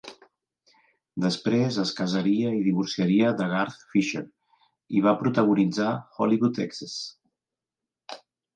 Després es casaria i divorciaria de Garth Fisher, i va protagonitzar "Hollywood Exes".